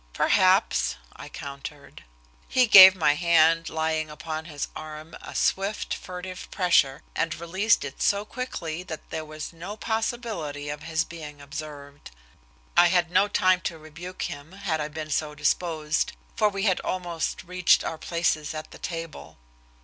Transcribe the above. "Perhaps," I countered. He gave my hand lying upon his arm a swift, furtive pressure and released it so quickly that there was no possibility of his being observed. I had no time to rebuke him, had I been so disposed, for we had almost reached our places at the table.